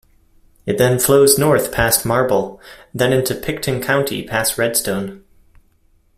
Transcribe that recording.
It then flows north past Marble, then into Pitkin County past Redstone.